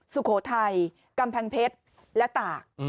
สุโขทัยกำแพงเพชรและตาก